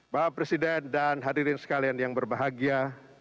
bapak presiden dan hadirin sekalian yang berbahagia